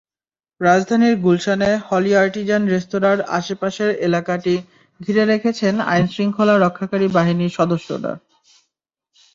রাজধানীর গুলশানে Holey Artisan রেস্তোরাঁর আশপাশের এলাকাটি ঘিরে রেখেছেন আইনশৃঙ্খলা রক্ষাকারী বাহিনীর সদস্যরা।